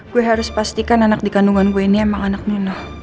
gue harus pastikan anak dikandungan gue ini emang anak nino